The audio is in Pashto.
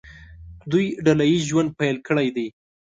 دوی ډله ییز ژوند پیل کړی دی.